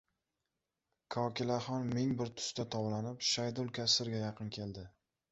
Kokilaxon ming bir tusda tovlanib, Shaydul kassirga yaqin keldi.